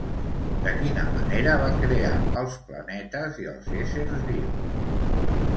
De quina manera va crear els planetes i els éssers vius?